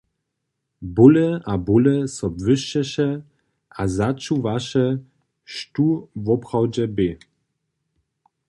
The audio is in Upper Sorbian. Bóle a bóle so błyšćeše a začuwaše, štó woprawdźe bě: